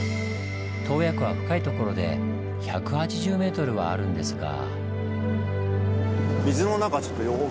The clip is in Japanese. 洞爺湖は深い所で１８０ｍはあるんですが。